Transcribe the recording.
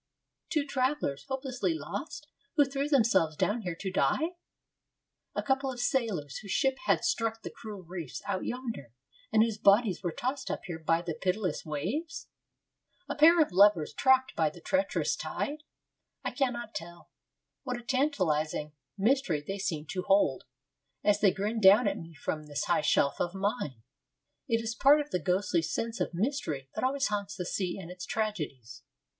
Two travellers, hopelessly lost, who threw themselves down here to die? A couple of sailors, whose ship had struck the cruel reefs out yonder, and whose bodies were tossed up here by the pitiless waves? A pair of lovers trapped by the treacherous tide? I cannot tell. What a tantalizing mystery they seem to hold, as they grin down at me from this high shelf of mine! It is part of the ghostly sense of mystery that always haunts the sea and its tragedies.